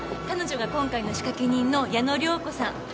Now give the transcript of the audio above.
彼女が今回の仕掛け人の矢野涼子さん。